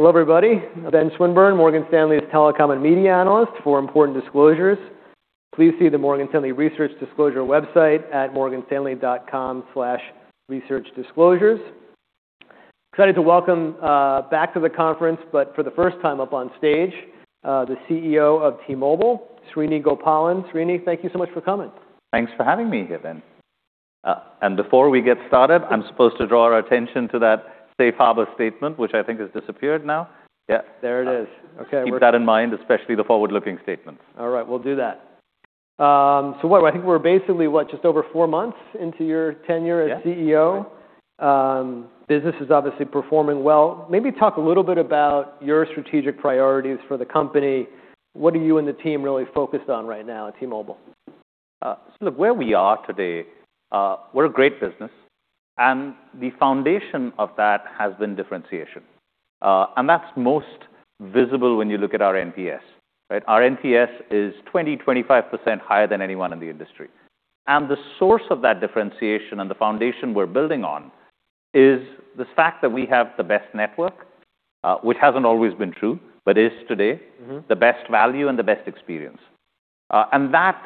Hello, everybody. Benjamin Swinburne, Morgan Stanley's Telecom and Media Analyst. For important disclosures, please see the Morgan Stanley Research Disclosure website at morganstanley.com/researchdisclosures. Excited to welcome back to the conference, but for the first time up on stage, the CEO of T-Mobile, Srini Gopalan. Srini, thank you so much for coming. Thanks for having me here, Ben. Before we get started, I'm supposed to draw our attention to that safe harbor statement, which I think has disappeared now. Yeah. There it is. Okay. Keep that in mind, especially the forward-looking statements. All right, we'll do that. I think we're basically, what, just over four months into your tenure as CEO. Yeah. Business is obviously performing well. Maybe talk a little bit about your strategic priorities for the company. What are you and the team really focused on right now at T-Mobile? Look, where we are today, we're a great business, and the foundation of that has been differentiation. That's most visible when you look at our NPS, right? Our NPS is 20-25% higher than anyone in the industry. The source of that differentiation and the foundation we're building on is the fact that we have the best network, which hasn't always been true, but is today. Mm-hmm. The best value and the best experience. That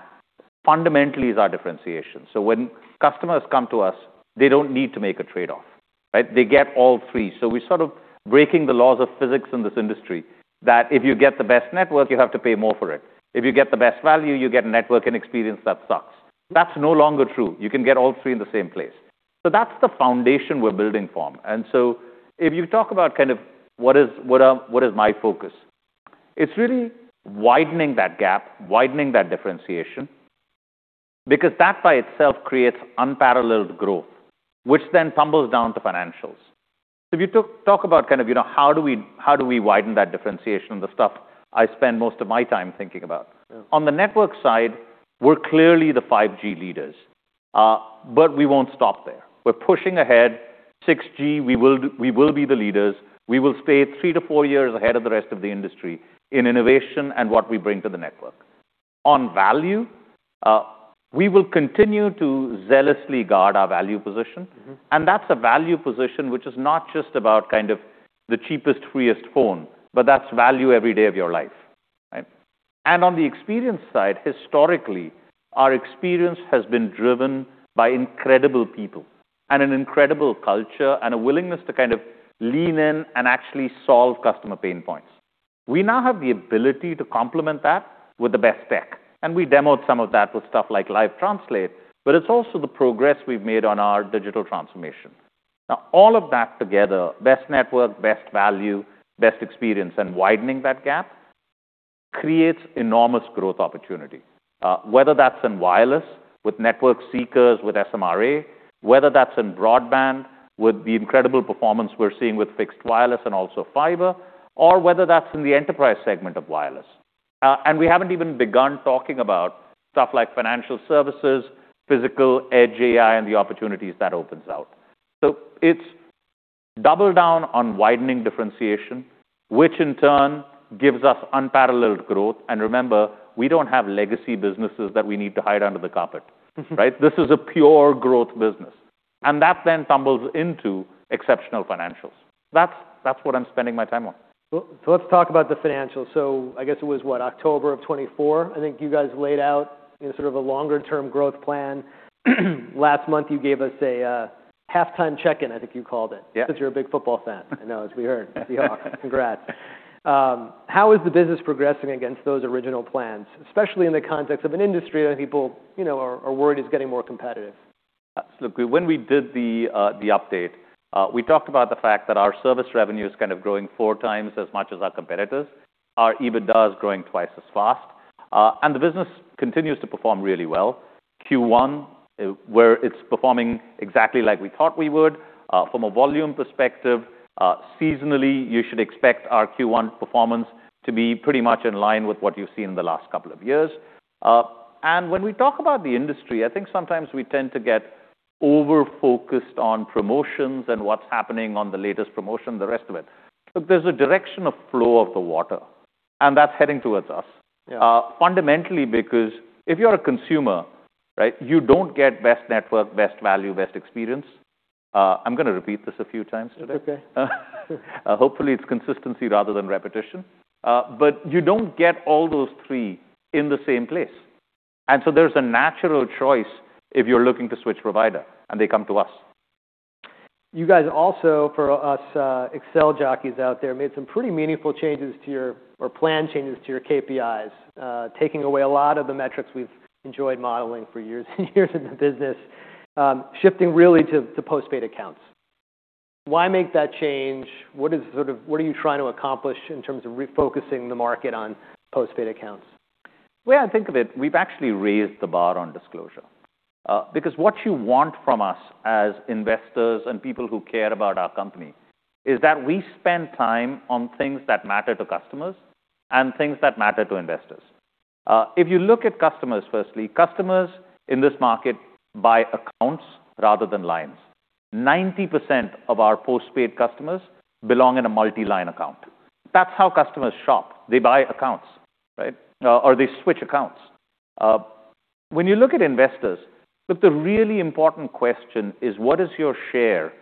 fundamentally is our differentiation. When customers come to us, they don't need to make a trade-off, right? They get all three. We're sort of breaking the laws of physics in this industry that if you get the best network, you have to pay more for it. If you get the best value, you get network and experience that sucks. That's no longer true. You can get all three in the same place. That's the foundation we're building from. If you talk about kind of what is, what is my focus, it's really widening that gap, widening that differentiation, because that by itself creates unparalleled growth, which then tumbles down to financials. If you talk about kind of, you know, how do we widen that differentiation, the stuff I spend most of my time thinking about. Yeah. On the network side, we're clearly the 5G leaders. We won't stop there. We're pushing ahead. 6G, we will be the leaders. We will stay three to four years ahead of the rest of the industry in innovation and what we bring to the network. On value, we will continue to zealously guard our value position. Mm-hmm. That's a value position which is not just about kind of the cheapest, freest phone, but that's value every day of your life, right? On the experience side, historically, our experience has been driven by incredible people and an incredible culture and a willingness to kind of lean in and actually solve customer pain points. We now have the ability to complement that with the best tech, and we demoed some of that with stuff like Live Translate, but it's also the progress we've made on our digital transformation. All of that together, best network, best value, best experience, and widening that gap creates enormous growth opportunity, whether that's in wireless with network seekers, with SMRA, whether that's in broadband with the incredible performance we're seeing with fixed wireless and also fiber, or whether that's in the enterprise segment of wireless. We haven't even begun talking about stuff like financial services, physical, edge AI, and the opportunities that opens out. It's double down on widening differentiation, which in turn gives us unparalleled growth. Remember, we don't have legacy businesses that we need to hide under the carpet, right? This is a pure growth business, and that then tumbles into exceptional financials. That's what I'm spending my time on. Let's talk about the financials. I guess it was, what, October of 2024, I think you guys laid out, you know, sort of a longer-term growth plan. Last month, you gave us a halftime check-in, I think you called it. Yeah Since you're a big football fan. I know, as we heard. Seahawks. Congrats. How is the business progressing against those original plans, especially in the context of an industry that people, you know, are worried is getting more competitive? Absolutely. When we did the update, we talked about the fact that our service revenue is kind of growing four times as much as our competitors. Our EBITDA is growing two times as fast, and the business continues to perform really well. Q1, where it's performing exactly like we thought we would, from a volume perspective. Seasonally, you should expect our Q1 performance to be pretty much in line with what you've seen in the last couple of years. When we talk about the industry, I think sometimes we tend to get over-focused on promotions and what's happening on the latest promotion, the rest of it. There's a direction of flow of the water, and that's heading towards us. Yeah. Fundamentally because if you're a consumer, right, you don't get best network, best value, best experience. I'm gonna repeat this a few times today. It's okay. Hopefully, it's consistency rather than repetition. You don't get all those three in the same place. There's a natural choice if you're looking to switch provider, and they come to us. You guys also, for us, Excel jockeys out there, made some pretty meaningful changes to your plan changes to your KPIs, taking away a lot of the metrics we've enjoyed modeling for years and years in the business, shifting really to postpaid accounts. Why make that change? What is sort of what are you trying to accomplish in terms of refocusing the market on postpaid accounts? Way I think of it, we've actually raised the bar on disclosure, because what you want from us as investors and people who care about our company is that we spend time on things that matter to customers and things that matter to investors. If you look at customers, firstly, customers in this market buy accounts rather than lines. 90% of our postpaid customers belong in a multi-line account. That's how customers shop. They buy accounts, right? When you look at investors, look, the really important question is what is your share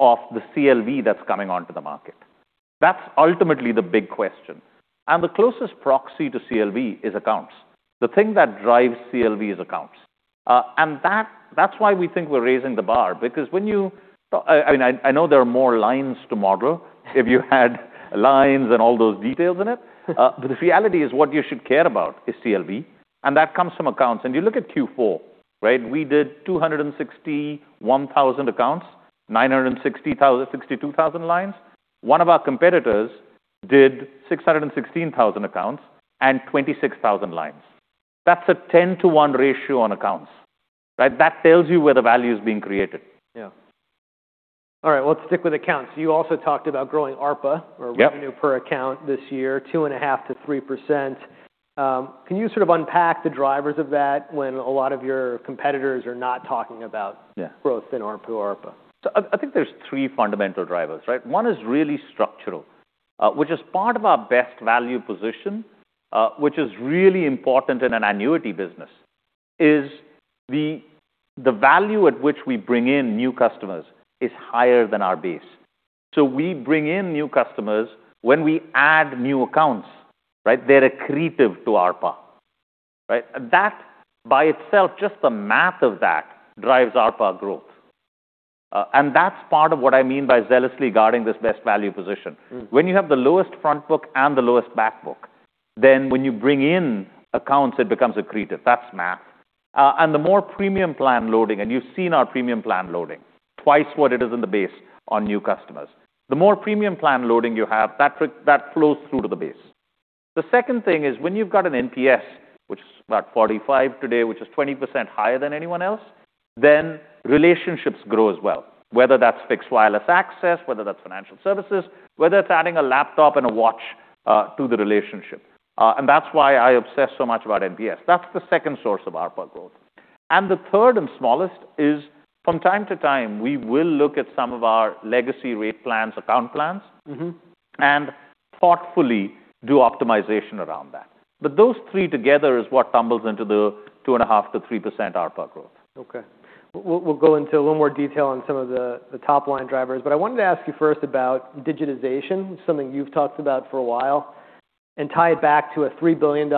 of the CLV that's coming onto the market? That's ultimately the big question. The closest proxy to CLV is accounts. The thing that drives CLV is accounts. That's why we think we're raising the bar, because I mean, I know there are more lines to model if you had lines and all those details in it. The reality is what you should care about is CLV, and that comes from accounts. You look at Q4, right? We did 261,000 accounts, 962,000 lines. One of our competitors did 616,000 accounts and 26,000 lines. That's a 10-to-1 ratio on accounts, right? That tells you where the value is being created. All right, well, let's stick with accounts. You also talked about growing ARPA or. Yep. Revenue per account this year, 2.5%-3%. Can you sort of unpack the drivers of that when a lot of your competitors are not talking about? Yeah. Growth in ARPU, ARPA? I think there's three fundamental drivers, right? One is really structural, which is part of our best value position, which is really important in an annuity business, is the value at which we bring in new customers is higher than our base. We bring in new customers when we add new accounts, right? They're accretive to ARPA, right? That by itself, just the math of that drives ARPA growth. That's part of what I mean by zealously guarding this best value position. Mm. When you have the lowest front book and the lowest back book, then when you bring in accounts, it becomes accretive. That's math. The more premium plan loading, and you've seen our premium plan loading, twice what it is in the base on new customers. The more premium plan loading you have, that flows through to the base. The second thing is when you've got an NPS, which is about 45 today, which is 20% higher than anyone else, then relationships grow as well, whether that's fixed wireless access, whether that's financial services, whether it's adding a laptop and a watch, to the relationship. That's why I obsess so much about NPS. That's the second source of ARPA growth. The third and smallest is from time to time, we will look at some of our legacy rate plans, account plans. Mm-hmm. Thoughtfully do optimization around that. Those three together is what tumbles into the 2.5%-3% ARPA growth. Okay. We'll go into a little more detail on some of the top line drivers, but I wanted to ask you first about digitization, something you've talked about for a while, and tie it back to a $3 billion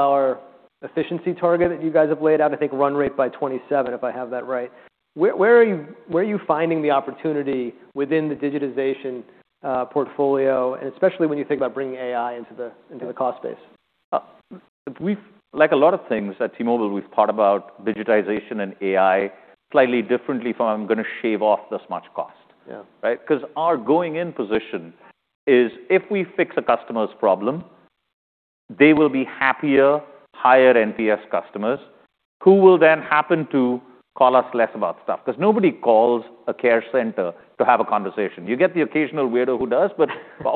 efficiency target that you guys have laid out, I think run rate by 27, if I have that right. Where are you finding the opportunity within the digitization portfolio, and especially when you think about bringing AI into the? Yeah. Into the cost base? Like a lot of things at T-Mobile, we've thought about digitization and AI slightly differently from gonna shave off this much cost. Yeah. Right? 'Cause our going-in position is if we fix a customer's problem, they will be happier, higher NPS customers who will then happen to call us less about stuff. 'Cause nobody calls a care center to have a conversation. You get the occasional weirdo who does, but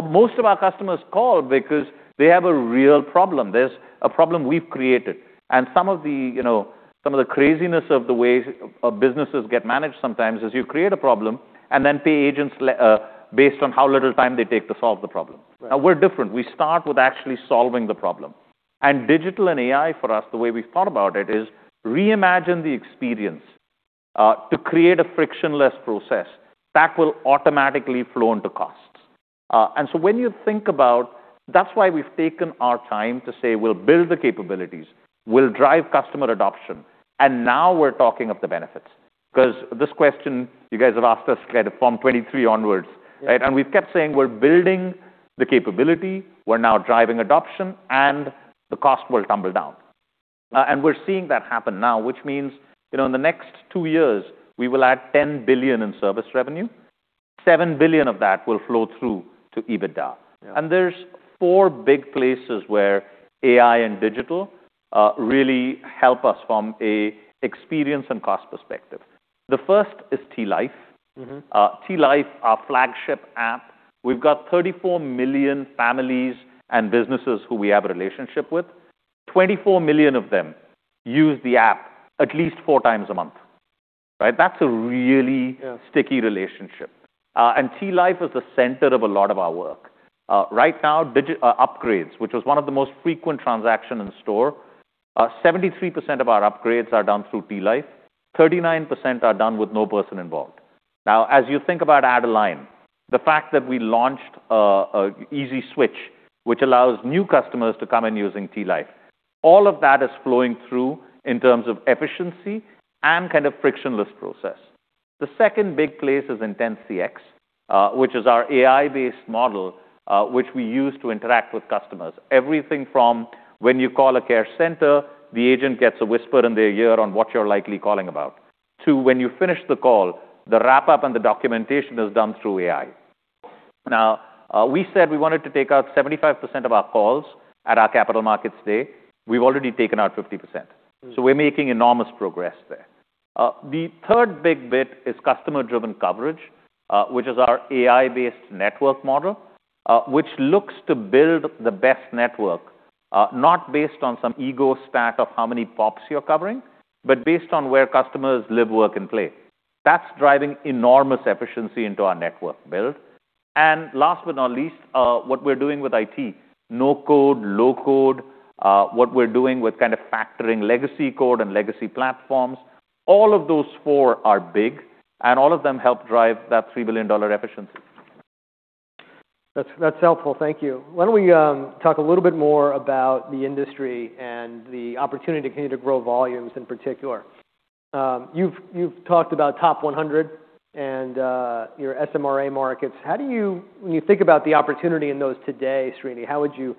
most of our customers call because they have a real problem. There's a problem we've created. Some of the, you know, some of the craziness of the way businesses get managed sometimes is you create a problem and then pay agents based on how little time they take to solve the problem. Right. Now we're different. We start with actually solving the problem. Digital and AI for us, the way we've thought about it, is reimagine the experience to create a frictionless process that will automatically flow into costs. When you think about. That's why we've taken our time to say we'll build the capabilities, we'll drive customer adoption, and now we're talking of the benefits. Because this question you guys have asked us from 2023 onwards, right? Yeah. We've kept saying we're building the capability, we're now driving adoption, and the cost will tumble down. We're seeing that happen now, which means, you know, in the next two years, we will add $10 billion in service revenue. $7 billion of that will flow through to EBITDA. Yeah. There's four big places where AI and digital really help us from a experience and cost perspective. The first is T-Life. Mm-hmm. T-Life, our flagship app. We've got 34 million families and businesses who we have a relationship with. 24 million of them use the app at least four times a month, right? That's a really. Yeah Sticky relationship. T-Life is the center of a lot of our work. Right now upgrades, which was one of the most frequent transaction in store, 73% of our upgrades are done through T-Life, 39% are done with no person involved. Now, as you think about add a line, the fact that we launched an easy switch, which allows new customers to come in using T-Life, all of that is flowing through in terms of efficiency and kind of frictionless process. The second big place is Intent CX, which is our AI-based model, which we use to interact with customers. Everything from when you call a care center, the agent gets a whisper in their ear on what you're likely calling about, to when you finish the call, the wrap-up and the documentation is done through AI. We said we wanted to take out 75% of our calls at our Capital Markets Day. We've already taken out 50%. Mm. We're making enormous progress there. The third big bit is customer-driven coverage, which is our AI-based network model, which looks to build the best network, not based on some ego stack of how many pops you're covering, but based on where customers live, work, and play. That's driving enormous efficiency into our network build. Last but not least, what we're doing with IT. No code, low code, what we're doing with kind of factoring legacy code and legacy platforms. All of those four are big, all of them help drive that $3 billion efficiency. That's helpful. Thank you. Why don't we talk a little bit more about the industry and the opportunity to continue to grow volumes in particular. You've talked about top 100 and your SMRA markets. When you think about the opportunity in those today, Srini, how would you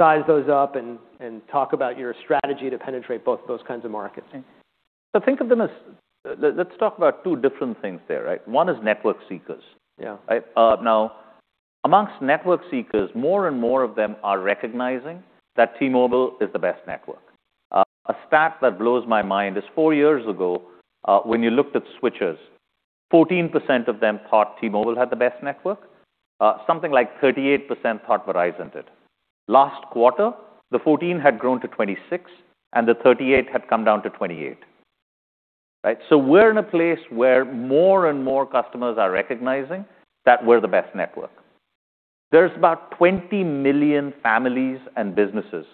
size those up and talk about your strategy to penetrate both those kinds of markets? Think of them as. Let's talk about two different things there, right? One is network seekers. Yeah. Right? Now amongst network seekers, more and more of them are recognizing that T-Mobile is the best network. A stat that blows my mind is four years ago, when you looked at switchers, 14% of them thought T-Mobile had the best network. Something like 38% thought Verizon did. Last quarter, the 14 had grown to 26, and the 38 had come down to 28, right? We're in a place where more and more customers are recognizing that we're the best network. There's about 20 million families and businesses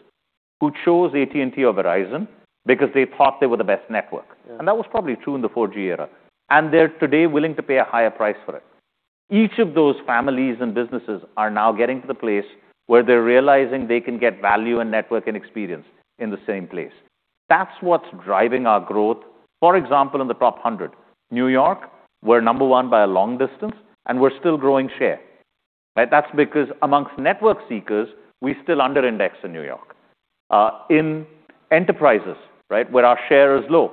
who chose AT&T or Verizon because they thought they were the best network. Yeah. That was probably true in the 4G era. They're today willing to pay a higher price for it. Each of those families and businesses are now getting to the place where they're realizing they can get value and network and experience in the same place. That's what's driving our growth. For example, in the top 100. New York, we're number one by a long distance, and we're still growing share, right? That's because amongst network seekers, we still under-index in New York. In enterprises, right, where our share is low,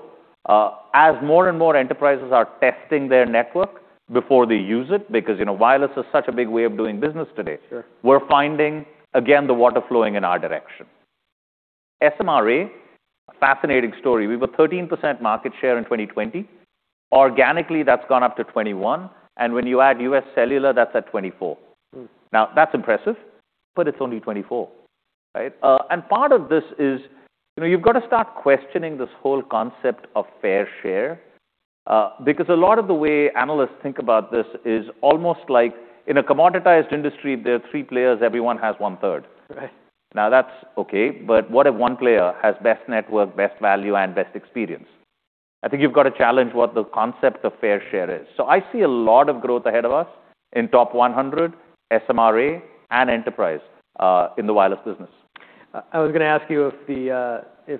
as more and more enterprises are testing their network before they use it because, you know, wireless is such a big way of doing business today. Sure We're finding, again, the water flowing in our direction. SMRA, fascinating story. We were 13% market share in 2020. Organically, that's gone up to 21, and when you add UScellular, that's at 24. Hmm. That's impressive, but it's only 24, right? Part of this is, you know, you've got to start questioning this whole concept of fair share, because a lot of the way analysts think about this is almost like in a commoditized industry, there are three players, everyone has 1/3. Right. That's okay, but what if one player has best network, best value, and best experience? I think you've got to challenge what the concept of fair share is. I see a lot of growth ahead of us in top 100, SMRA, and enterprise in the wireless business. I was gonna ask you if the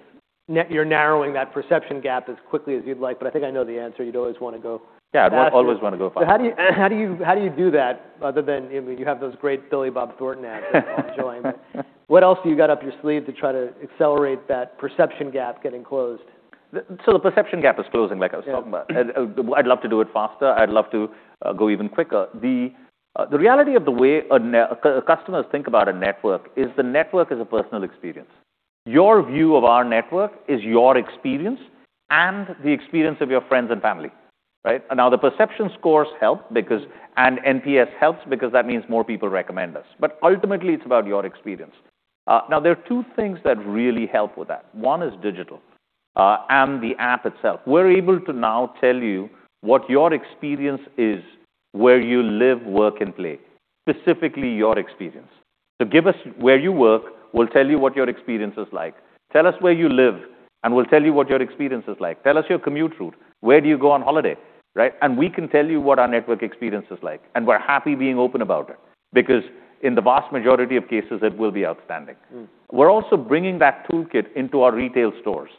you're narrowing that perception gap as quickly as you'd like, but I think I know the answer. You'd always wanna go faster. Yeah, I'd always wanna go faster. How do you do that other than, you know, you have those great Billy Bob Thornton abs that people enjoy. What else do you got up your sleeve to try to accelerate that perception gap getting closed? The perception gap is closing, like I was talking about. Yeah. I'd love to do it faster. I'd love to go even quicker. The reality of the way customers think about a network is the network is a personal experience. Your view of our network is your experience and the experience of your friends and family, right? The perception scores help because NPS helps because that means more people recommend us. Ultimately, it's about your experience. There are two things that really help with that. One is digital and the app itself. We're able to now tell you what your experience is, where you live, work, and play, specifically your experience. Give us where you work. We'll tell you what your experience is like. Tell us where you live, and we'll tell you what your experience is like. Tell us your commute route. Where do you go on holiday, right? We can tell you what our network experience is like, and we're happy being open about it because in the vast majority of cases, it will be outstanding. Hmm. We're also bringing that toolkit into our retail stores.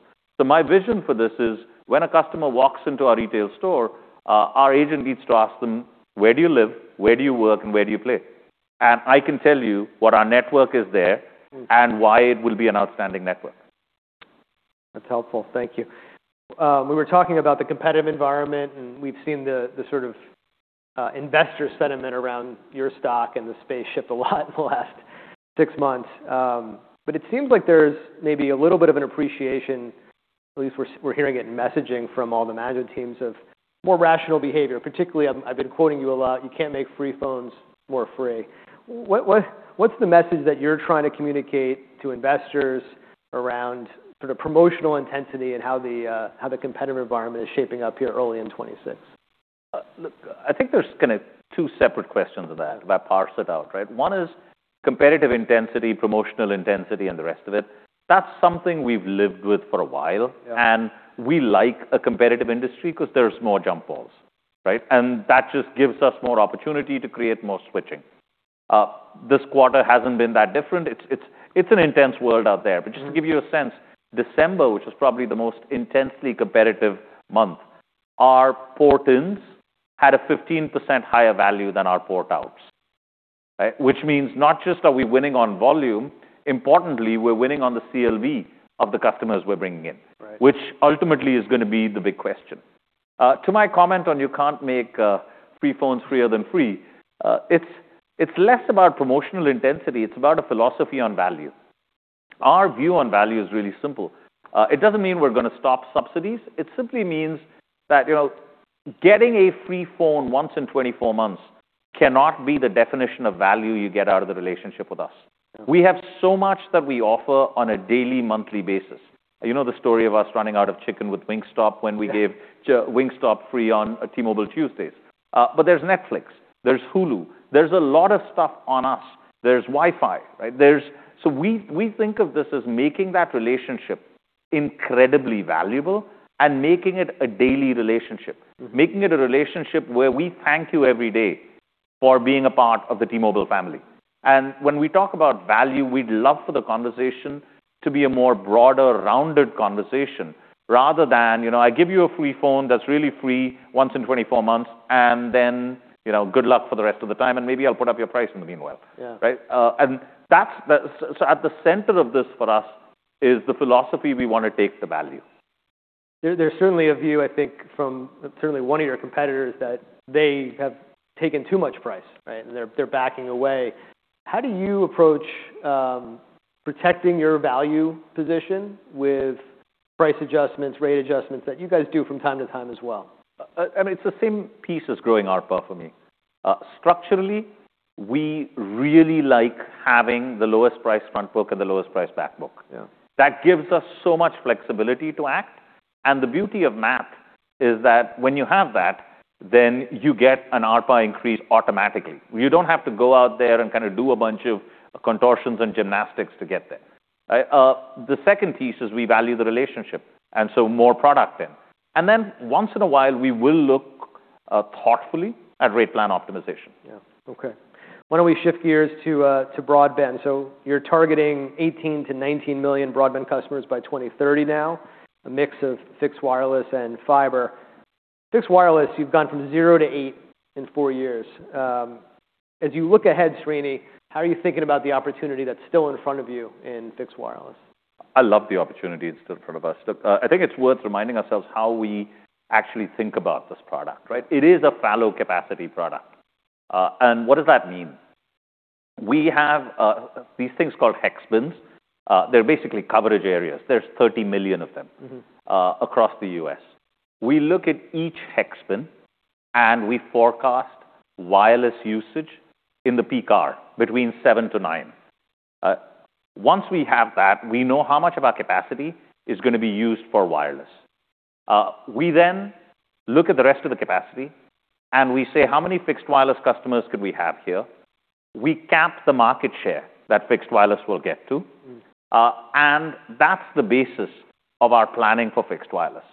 My vision for this is when a customer walks into our retail store, our agent needs to ask them, "Where do you live? Where do you work? And where do you play?" I can tell you what our network is there. Hmm. and why it will be an outstanding network. That's helpful. Thank you. We were talking about the competitive environment. We've seen the sort of investor sentiment around your stock and the space shift a lot in the last six months. It seems like there's maybe a little bit of an appreciation, at least we're hearing it in messaging from all the management teams of more rational behavior. Particularly, I've been quoting you a lot, "You can't make free phones more free." What's the message that you're trying to communicate to investors around sort of promotional intensity and how the competitive environment is shaping up here early in 2026? Look, I think there's kinda two separate questions of that if I parse it out, right? One is competitive intensity, promotional intensity, and the rest of it. That's something we've lived with for a while. Yeah. We like a competitive industry because there's more jump balls, right? That just gives us more opportunity to create more switching. This quarter hasn't been that different. It's an intense world out there. Hmm. Just to give you a sense, December, which was probably the most intensely competitive month, our port-ins had a 15% higher value than our port-outs, right? Which means not just are we winning on volume, importantly, we're winning on the CLV of the customers we're bringing in. Right. Which ultimately is gonna be the big question. To my comment on you can't make free phones freer than free, it's less about promotional intensity. It's about a philosophy on value. Our view on value is really simple. It doesn't mean we're gonna stop subsidies. It simply means that, you know, getting a free phone once in 24 months. Cannot be the definition of value you get out of the relationship with us. We have so much that we offer on a daily, monthly basis. You know the story of us running out of chicken with Wingstop when we gave Wingstop free on T-Mobile Tuesdays. There's Netflix, there's Hulu, there's a lot of stuff on us. There's Wi-Fi, right? There's. We think of this as making that relationship incredibly valuable and making it a daily relationship, making it a relationship where we thank you every day for being a part of the T-Mobile family. When we talk about value, we'd love for the conversation to be a more broader, rounded conversation rather than, you know, I give you a free phone that's really free once in 24 months, and then, you know, good luck for the rest of the time, and maybe I'll put up your price in the meanwhile. Yeah. Right? That's at the center of this for us is the philosophy we wanna take the value. There's certainly a view, I think from certainly one of your competitors, that they have taken too much price, right? They're backing away. How do you approach protecting your value position with price adjustments, rate adjustments that you guys do from time to time as well? I mean, it's the same piece as growing ARPA for me. Structurally, we really like having the lowest priced front book and the lowest priced back book. Yeah. That gives us so much flexibility to act. The beauty of math is that when you have that, then you get an ARPA increase automatically. You don't have to go out there and kinda do a bunch of contortions and gymnastics to get there, right? The second piece is we value the relationship, and so more product in. Once in a while, we will look thoughtfully at rate plan optimization. Okay. Why don't we shift gears to broadband? You're targeting 18 million-19 million broadband customers by 2030 now, a mix of fixed wireless and fiber. Fixed wireless, you've gone from 0 to eight in four years. As you look ahead, Srini, how are you thinking about the opportunity that's still in front of you in fixed wireless? I love the opportunity that's still in front of us. I think it's worth reminding ourselves how we actually think about this product, right? It is a fallow capacity product. What does that mean? We have these things called hex bins. They're basically coverage areas. There's 30 million of them- Mm-hmm. Across the U.S. We look at each hex bin, and we forecast wireless usage in the peak hour between seven to nine. Once we have that, we know how much of our capacity is gonna be used for wireless. We then look at the rest of the capacity, and we say, "How many fixed wireless customers could we have here?" We cap the market share that fixed wireless will get to. Mm-hmm. That's the basis of our planning for fixed wireless.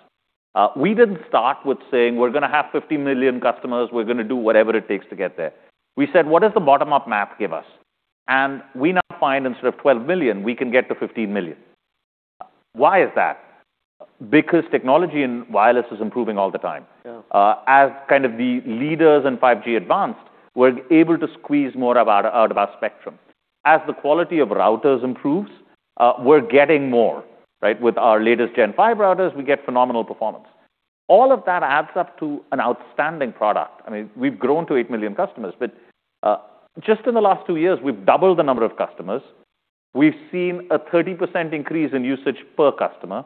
We didn't start with saying, "We're gonna have 50 million customers. We're gonna do whatever it takes to get there." We said, "What does the bottom-up math give us?" We now find instead of 12 million, we can get to 15 million. Why is that? Because technology in wireless is improving all the time. Yeah. As kind of the leaders in 5G-Advanced, we're able to squeeze more out of our spectrum. As the quality of routers improves, we're getting more, right? With our latest Gen Five routers, we get phenomenal performance. All of that adds up to an outstanding product. I mean, we've grown to eight million customers, just in the last two years, we've doubled the number of customers. We've seen a 30% increase in usage per customer,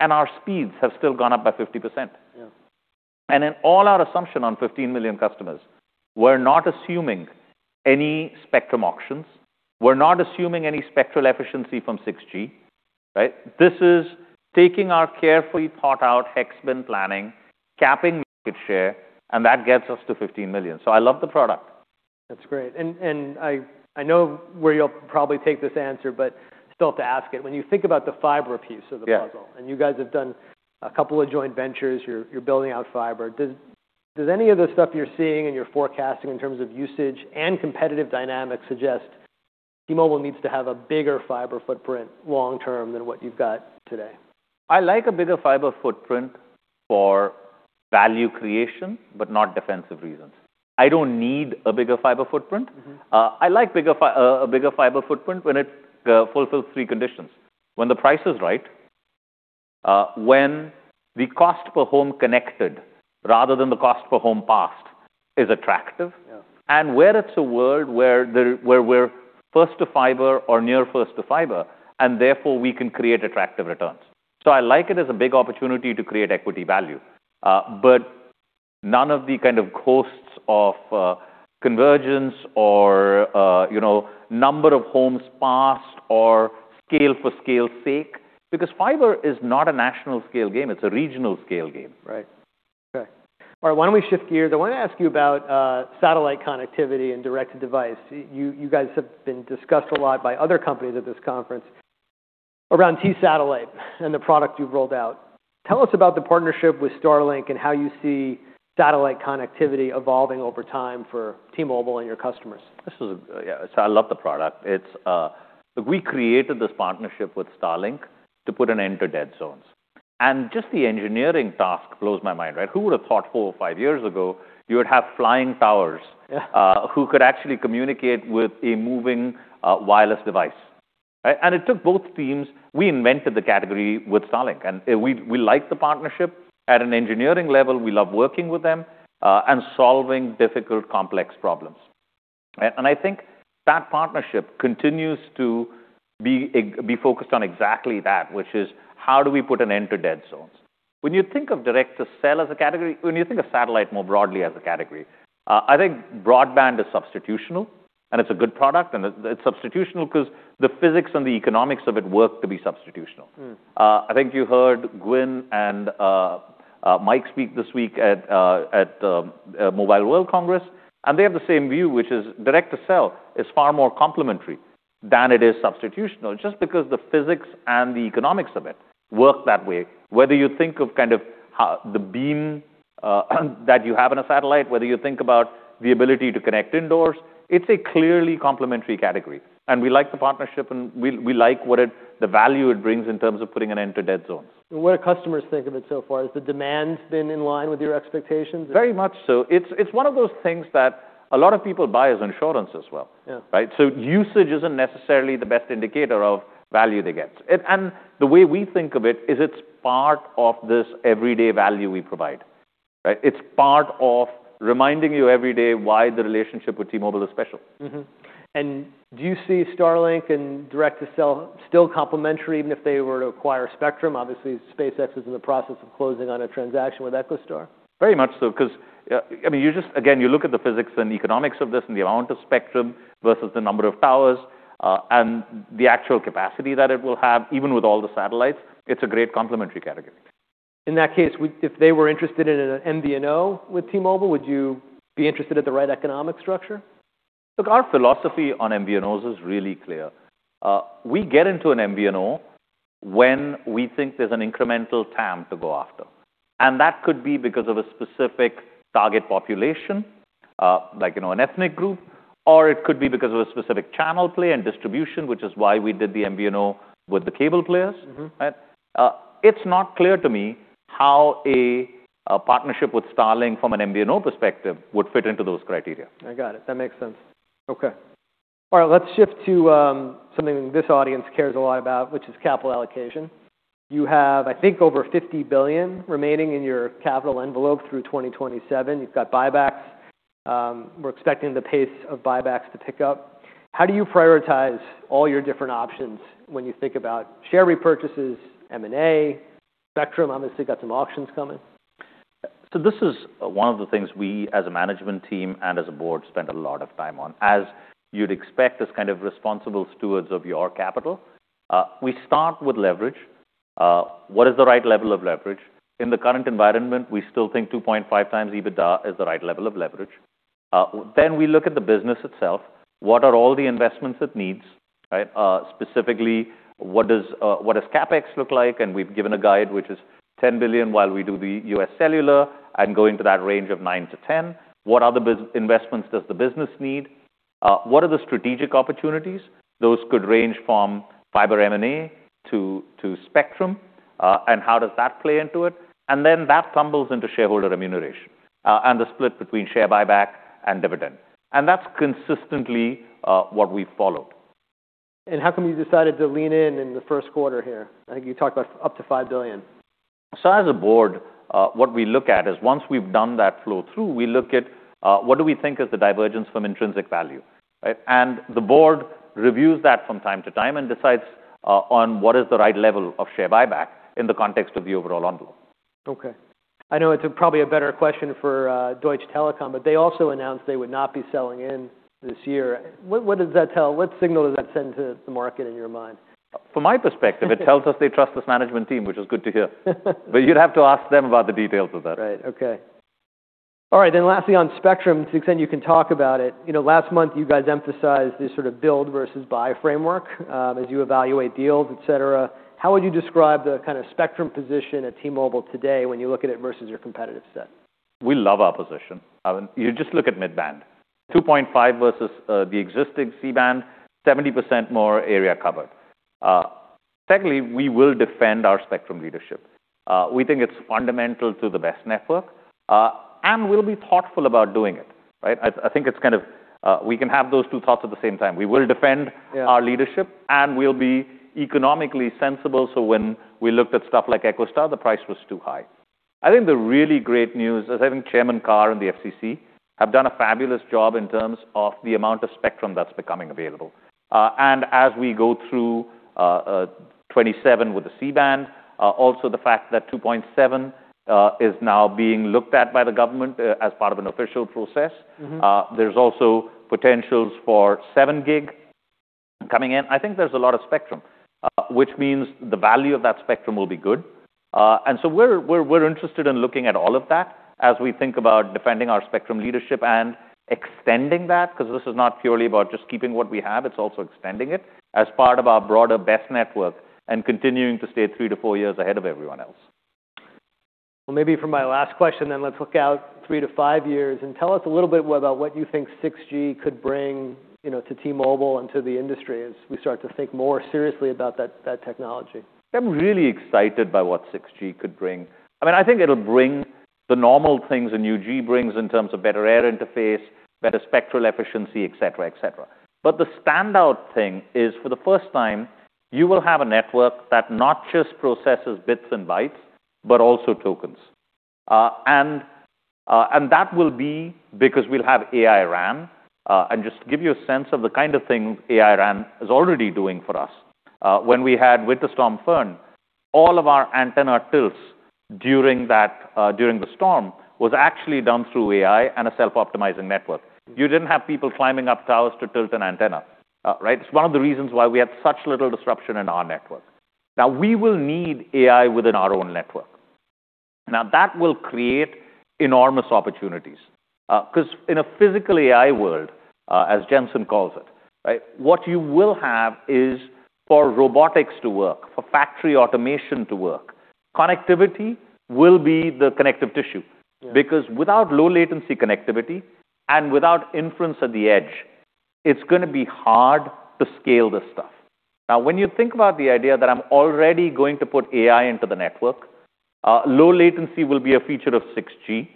our speeds have still gone up by 50%. Yeah. In all our assumption on 15 million customers, we're not assuming any spectrum auctions. We're not assuming any spectral efficiency from 6G, right? This is taking our carefully thought out hex bin planning, capping market share, and that gets us to 15 million. I love the product. That's great. I know where you'll probably take this answer, but still have to ask it. When you think about the fiber piece of the puzzle. Yeah. You guys have done a couple of joint ventures. You're building out fiber. Does any of the stuff you're seeing in your forecasting in terms of usage and competitive dynamics suggest T-Mobile needs to have a bigger fiber footprint long term than what you've got today? I like a bigger fiber footprint for value creation, but not defensive reasons. I don't need a bigger fiber footprint. Mm-hmm. I like a bigger fiber footprint when it fulfills three conditions: when the price is right, when the cost per home connected rather than the cost per home passed is attractive. Yeah. And where it's a world where we're first to fiber or near first to fiber, and therefore, we can create attractive returns. I like it as a big opportunity to create equity value, but none of the kind of costs of convergence or, you know, number of homes passed or scale for scale sake because fiber is not a national scale game. It's a regional scale game. Right. Okay. All right, why don't we shift gears? I wanna ask you about satellite connectivity and direct-to-device. You guys have been discussed a lot by other companies at this conference around T-Satellite and the product you've rolled out. Tell us about the partnership with Starlink and how you see satellite connectivity evolving over time for T-Mobile and your customers. This is. Yeah. I love the product. It's. Look, we created this partnership with Starlink to put an end to dead zones, just the engineering task blows my mind, right? Who would have thought four or five years ago you would have flying towers- Yeah. Who could actually communicate with a moving, wireless device, right? It took both teams. We invented the category with Starlink, and we like the partnership. At an engineering level, we love working with them, and solving difficult, complex problems. I think that partnership continues to be focused on exactly that, which is how do we put an end to dead zones? When you think of Direct to Cell as a category, when you think of satellite more broadly as a category, I think broadband is substitutional, and it's a good product, and it's substitutional 'cause the physics and the economics of it work to be substitutional. Mm. I think you heard Gwynne and Mike speak this week at the Mobile World Congress. They have the same view, which is Direct to Cell is far more complementary than it is substitutional, just because the physics and the economics of it work that way. Whether you think of kind of how the beam that you have in a satellite, whether you think about the ability to connect indoors, it's a clearly complementary category, and we like the partnership and we like what it, the value it brings in terms of putting an end to dead zones. What do customers think of it so far? Has the demand been in line with your expectations? Very much so. It's one of those things that a lot of people buy as insurance as well. Yeah. Right? Usage isn't necessarily the best indicator of value they get. The way we think of it is it's part of this everyday value we provide, right? It's part of reminding you every day why the relationship with T-Mobile is special. Mm-hmm. Do you see Starlink and Direct to Cell still complementary even if they were to acquire Spectrum? Obviously, SpaceX is in the process of closing on a transaction with EchoStar. Very much so, 'cause, I mean, you just, again, you look at the physics and economics of this and the amount of spectrum versus the number of towers, and the actual capacity that it will have, even with all the satellites, it's a great complementary category. In that case, if they were interested in an MVNO with T-Mobile, would you be interested at the right economic structure? Look, our philosophy on MVNOs is really clear. We get into an MVNO when we think there's an incremental TAM to go after, and that could be because of a specific target population, like, you know, an ethnic group, or it could be because of a specific channel play and distribution, which is why we did the MVNO with the cable players. Mm-hmm. Right? It's not clear to me how a partnership with Starlink from an MVNO perspective would fit into those criteria. I got it. That makes sense. Okay. All right, let's shift to something this audience cares a lot about, which is capital allocation. You have, I think, over $50 billion remaining in your capital envelope through 2027. You've got buybacks. We're expecting the pace of buybacks to pick up. How do you prioritize all your different options when you think about share repurchases, M&A, spectrum obviously got some auctions coming? This is one of the things we as a management team and as a board spend a lot of time on. As you'd expect as kind of responsible stewards of your capital, we start with leverage. What is the right level of leverage? In the current environment, we still think 2.5x EBITDA is the right level of leverage. Then we look at the business itself. What are all the investments it needs? Right? Specifically, what does CapEx look like? And we've given a guide which is $10 billion while we do the UScellular and go into that range of nine to 10. What other investments does the business need? What are the strategic opportunities? Those could range from fiber M&A to Spectrum, and how does that play into it? That tumbles into shareholder remuneration, and the split between share buyback and dividend. That's consistently, what we follow. How come you decided to lean in in the first quarter here? I think you talked about up to $5 billion. As a board, what we look at is once we've done that flow-through, we look at, what do we think is the divergence from intrinsic value, right? The board reviews that from time to time and decides on what is the right level of share buyback in the context of the overall envelope. Okay. I know it's a probably a better question for Deutsche Telekom, but they also announced they would not be selling in this year. What does that tell? What signal does that send to the market in your mind? From my perspective, it tells us they trust this management team, which is good to hear. You'd have to ask them about the details of that. Right. Okay. All right, lastly on Spectrum, to the extent you can talk about it, you know, last month you guys emphasized this sort of build versus buy framework, as you evaluate deals, et cetera. How would you describe the kind of Spectrum position at T-Mobile today when you look at it versus your competitive set? We love our position, Ben. You just look at Mid-band. 2.5 versus the existing C-band, 70% more area covered. Secondly, we will defend our Spectrum leadership. We think it's fundamental to the best network, and we'll be thoughtful about doing it, right? I think it's kind of, we can have those two thoughts at the same time. We will defend- Yeah. Our leadership, and we'll be economically sensible. When we looked at stuff like EchoStar, the price was too high. I think the really great news is I think Brendan Carr and the FCC have done a fabulous job in terms of the amount of spectrum that's becoming available. As we go through 2027 with the C-band, also the fact that 2.7 GHz band is now being looked at by the government as part of an official process. Mm-hmm. There's also potentials for seven gig coming in. I think there's a lot of spectrum, which means the value of that spectrum will be good. We're interested in looking at all of that as we think about defending our spectrum leadership and extending that, because this is not purely about just keeping what we have, it's also extending it, as part of our broader best network and continuing to stay three to four years ahead of everyone else. Maybe for my last question then, let's look out three to five years and tell us a little bit about what you think 6G could bring, you know, to T-Mobile and to the industry as we start to think more seriously about that technology. I'm really excited by what 6G could bring. I mean, I think it'll bring the normal things a new G brings in terms of better air interface, better spectral efficiency, et cetera, et cetera. The standout thing is for the first time, you will have a network that not just processes bits and bytes, but also tokens. That will be because we'll have AI RAN. Just to give you a sense of the kind of thing AI RAN is already doing for us, when we had Winter Storm Fern, all of our antenna tilts during that, during the storm was actually done through AI and a self-optimizing network. You didn't have people climbing up towers to tilt an antenna, right? It's one of the reasons why we had such little disruption in our network. We will need AI within our own network. That will create enormous opportunities. 'Cause in a physical AI world, as Jensen Huang calls it, right, what you will have is for robotics to work, for factory automation to work, connectivity will be the connective tissue. Yeah. Without low latency connectivity and without inference at the edge, it's gonna be hard to scale this stuff. When you think about the idea that I'm already going to put AI into the network, low latency will be a feature of 6G,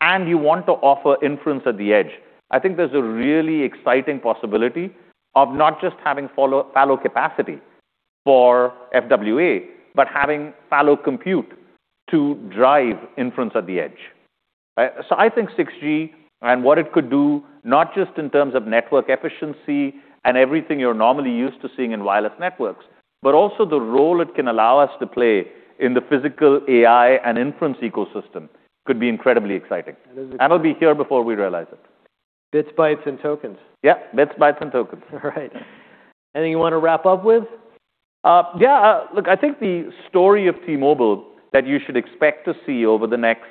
and you want to offer inference at the edge. I think there's a really exciting possibility of not just having fallow capacity for FWA, but having fallow compute to drive inference at the edge, right? I think 6G and what it could do, not just in terms of network efficiency and everything you're normally used to seeing in wireless networks, but also the role it can allow us to play in the physical AI and inference ecosystem could be incredibly exciting. That is exciting. It'll be here before we realize it. Bits, bytes, and tokens. Yeah. Bits, bytes, and tokens. All right. Anything you wanna wrap up with? Yeah. Look, I think the story of T-Mobile that you should expect to see over the next,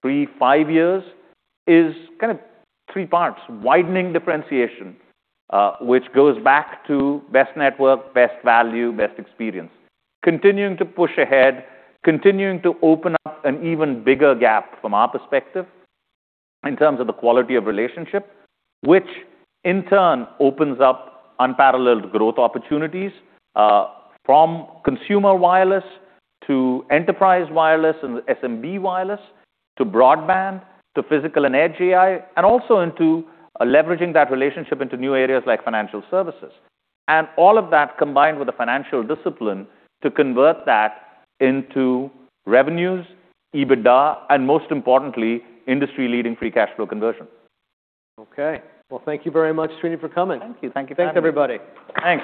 three, five years is kind of three parts. Widening differentiation, which goes back to best network, best value, best experience. Continuing to push ahead, continuing to open up an even bigger gap from our perspective in terms of the quality of relationship, which in turn opens up unparalleled growth opportunities, from consumer wireless to enterprise wireless and SMB wireless to broadband to physical and edge AI, and also into leveraging that relationship into new areas like financial services. All of that combined with the financial discipline to convert that into revenues, EBITDA, and most importantly, industry-leading free cash flow conversion. Well, thank you very much, Srini, for coming. Thank you. Thank you for having me. Thanks, everybody. Thanks.